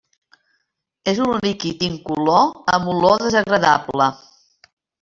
És un líquid incolor amb olor desagradable.